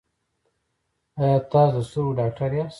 ایا تاسو د سترګو ډاکټر یاست؟